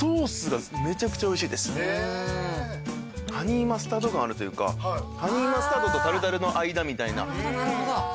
ハニーマスタード感あるというかハニーマスタードとタルタルの間みたいな。